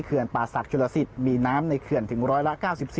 เกือร์ป่าศักดิ์ชุระศิษย์มีน้ำในเกือร์ถึง๑๐๐ละ๙๔